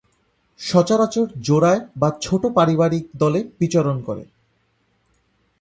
সচরাচর জোড়ায় বা ছোট পারিবারিক দলে বিচরণ করে।